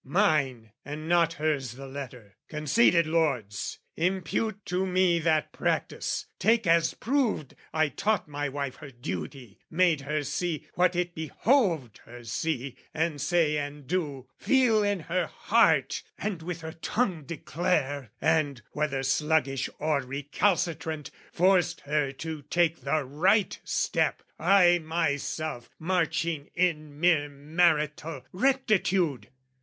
Mine and not hers the letter, conceded, lords! Impute to me that practice! take as proved I taught my wife her duty, made her see What it behoved her see and say and do, Feel in her heart and with her tongue declare, And, whether sluggish or recalcitrant, Forced her to take the right step, I myself Marching in mere marital rectitude!